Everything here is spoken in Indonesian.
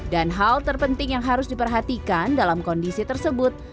dan hal terpenting yang harus diperhatikan dalam kondisi tersebut